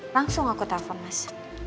langsung aku telfon mas